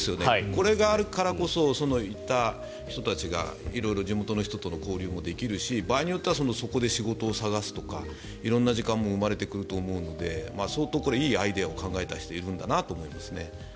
これがあるからこそ行った人たちが色々地元の人たちと交流もできるし場合によってはそこで仕事を探すとか色んな時間も生まれてくると思うので相当これはいいアイデアを考えた人がいるんだなと思いますね。